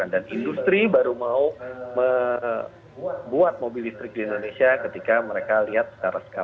dan industri baru mau membuat mobil listrik di indonesia ketika mereka lihat secara skala